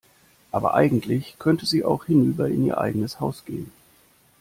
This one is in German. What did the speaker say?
Aber eigentlich könnte sie auch hinüber in ihr eigenes Haus gehen.